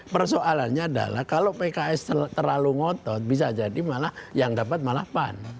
persoalannya adalah kalau pks terlalu ngotot bisa jadi malah yang dapat malah pan